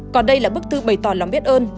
còn đây là bức thư bày tỏ lòng biết ơn